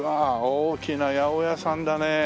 大きな八百屋さんだねえ。